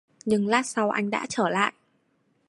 Nhưng lát sau anh đã trở lại